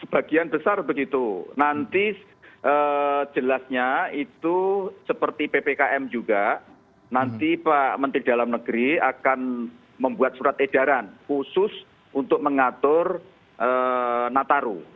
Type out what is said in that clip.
sebagian besar begitu nanti jelasnya itu seperti ppkm juga nanti pak menteri dalam negeri akan membuat surat edaran khusus untuk mengatur nataru